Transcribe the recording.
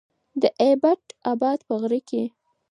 د ايبټ اباد په غره کې